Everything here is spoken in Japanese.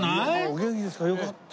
お元気ですかよかった。